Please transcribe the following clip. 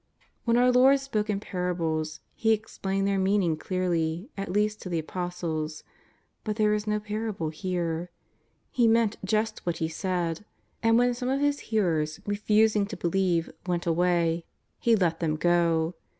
When our Lord spoke in parables. He explained their meaning clearly, at least to the Apostles. Bui there was no parable here. He meant just what He said, and when some of His hearers, refusing to be lieve, went away, He let them go.